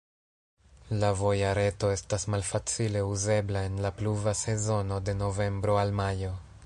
La voja reto estas malfacile uzebla en la pluva sezono de novembro al majo.